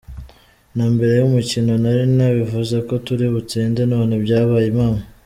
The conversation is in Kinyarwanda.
Na mbere y’umukino nari nabivuze ko turi butsinde none byabaye impamo.